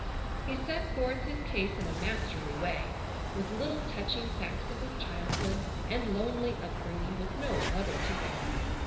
He set forth his case in a masterly way, with little touching facts of his childhood, and lonely upbringing, with no mother to guide.